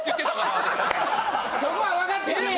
そこは分かってくれや！